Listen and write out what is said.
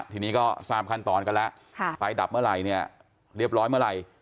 ทีนี้ก็๓คันตอนกันแล้วไปดับเมื่อไหร่เรียบร้อยเมื่อไหร่